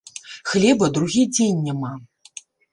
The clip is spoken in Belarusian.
Хлеба другі дзень няма.